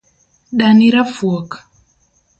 Dani rafuok